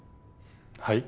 はい？